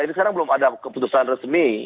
ini sekarang belum ada keputusan resmi